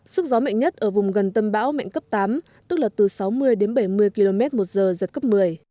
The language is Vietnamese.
sức gió mạnh nhất ở vùng gần tâm bão mạnh cấp tám tức là từ sáu mươi đến bảy mươi km một giờ giật cấp một mươi